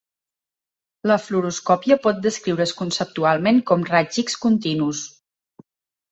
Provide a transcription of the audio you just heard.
La fluoroscòpia pot descriure's conceptualment com raigs X continus.